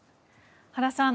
原さん